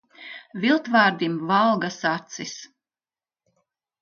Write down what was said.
Viltvārdim valgas acis.